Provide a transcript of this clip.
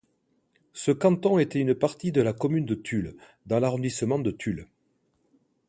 Ce canton était une partie de la commune de Tulle dans l'arrondissement de Tulle.